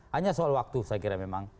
hanya soal waktu saya kira memang